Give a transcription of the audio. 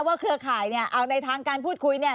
เครือข่ายเนี่ยเอาในทางการพูดคุยเนี่ย